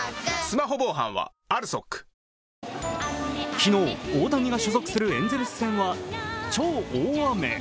昨日、大谷が所属するエンゼルス戦は超大雨。